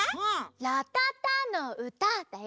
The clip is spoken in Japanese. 「らたたのうた」だよ！